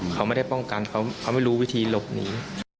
เขาไม่ได้ป้องกันเขาไม่รู้วิธีหลบหนี